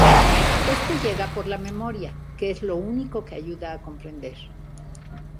Este llega por la memoria, que es lo único que ayuda a comprender.